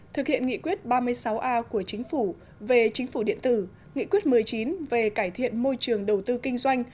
thực hiện nghị quyết ba mươi sáu a của chính phủ về chính phủ điện tử nghị quyết một mươi chín về cải thiện môi trường đầu tư kinh doanh